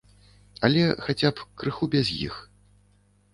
Але, хаця б, крыху без іх.